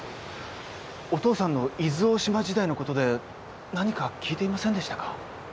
お父さんの伊豆大島時代のことで何か聞いていませんでしたか？